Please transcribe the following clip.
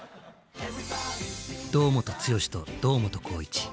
堂本剛と堂本光一。